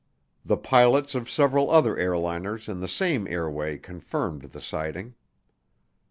The pilots of several other airliners in the same airway confirmed the sighting.